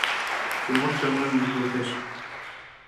— Тимошка мыйым игылтеш.